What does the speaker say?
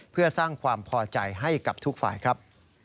เพื่อสร้างความพอใจให้กับทุกฝ่ายครับ